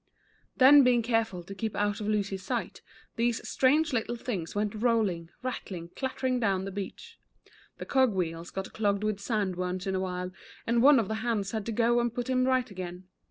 Then being careful to keep out of Lucy's sight, these strange little things, went rolling, rattling, clattering down the beach. The cog wheels got clogged with sand once in a while, and one of the hands had to go and put him right again.